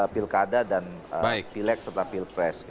pilkada dan pilek serta pilpres